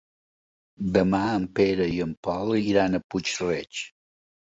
Demà en Pere i en Pol iran a Puig-reig.